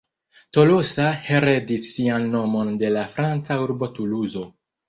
Tolosa heredis sian nomon de la franca urbo Tuluzo.